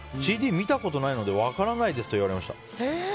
ＣＤ見たことないので分からないですと言われました。